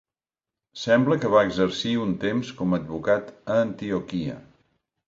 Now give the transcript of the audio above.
Sembla que va exercir un temps com advocat a Antioquia.